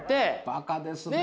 バカですね。